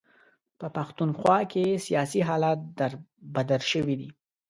په پښتونخوا کې سیاسي حالات در بدر شوي دي.